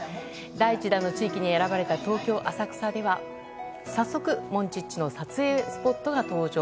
第１弾の地域に選ばれた東京・浅草では早速モンチッチの撮影スポットが登場。